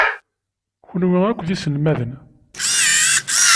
Kenwi akk d iselmaden.